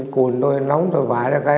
cùn tôi nóng tôi bãi ra cái